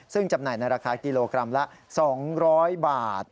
ซึ่งจำหน่ายในราคากิโลกรัมละ๒๐๐บาท